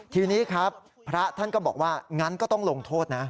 ทีนี้ครับพระท่านก็บอกว่างั้นก็ต้องลงโทษนะ